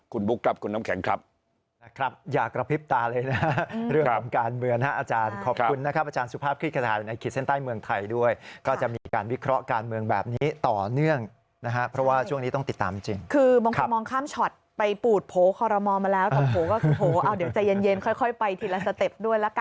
คุณบุ๊กครับคุณน้องแข็งครับ